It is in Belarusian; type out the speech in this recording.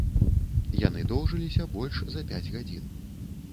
Яны доўжыліся больш за пяць гадзін.